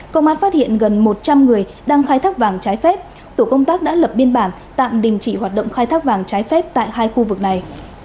công an phát hiện gần một trăm linh người đang khai thác vàng trái phép tổ công tác đã lập biên bản tạm đình chỉ hoạt động khai thác vàng trái phép tại hai khu vực này